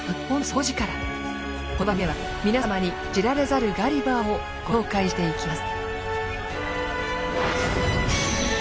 この番組では皆様に知られざるガリバーをご紹介していきます。